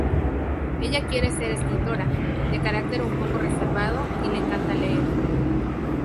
Ella quiere ser escritora, de carácter un poco reservado y le encanta leer.